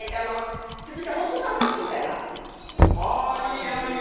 ちょっとしたホットサンドイッチみたいな。